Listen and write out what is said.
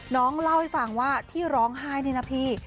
น้องเล่าให้ฟังว่าที่ร้องไห้นี่นะพี่